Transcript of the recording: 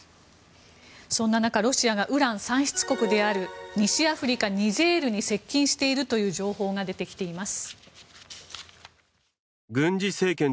そんな中、ロシアがウラン産出国である西アフリカ、ニジェールに接近している情報が出てきています。